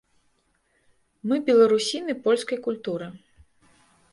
Мы беларусіны польскай культуры.